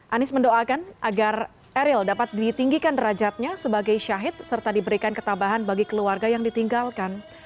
anies mendoakan agar eril dapat ditinggikan derajatnya sebagai syahid serta diberikan ketabahan bagi keluarga yang ditinggalkan